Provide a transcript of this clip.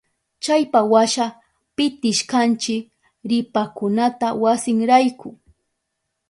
Chaypawasha pitishkanchi ripakunata wasinrayku.